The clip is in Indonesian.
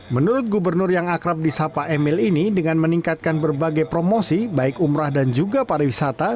menurut gubernur yang akrab di sapa emil ini dengan meningkatkan berbagai promosi baik umrah dan juga pariwisata